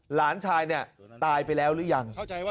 หลานชายเนี่ยตายไปแล้วหรือยัง